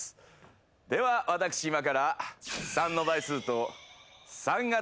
では私今から。